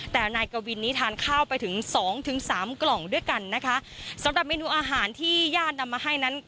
แต่นายกวินนี้ทานข้าวไปถึงสองถึงสามกล่องด้วยกันนะคะสำหรับเมนูอาหารที่ญาตินำมาให้นั้น